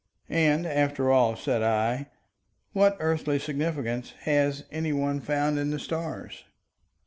And, after all, said I, what earthly significance has any one found in the stars?